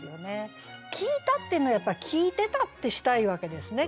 「聴いた」っていうのはやっぱ「聴いてた」ってしたいわけですね。